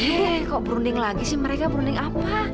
hei kok bruning lagi sih mereka bruning apa